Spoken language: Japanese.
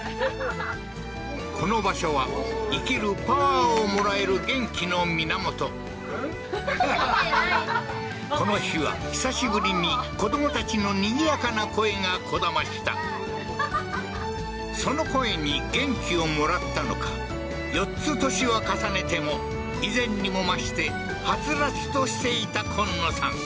この場所は生きるパワーをもらえる元気の源見てないそれこの日は久しぶりに子供たちのにぎやかな声がこだましたその声に元気をもらったのか４つ年は重ねても以前にも増してハツラツとしていた昆野さん